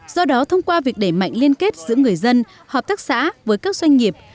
do đó thông qua việc đẩy mạnh liên kết giữa người dân hợp tác xã với các doanh nghiệp